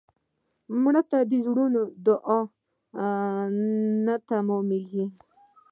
مړه ته د زړونو دعا نه تمېږي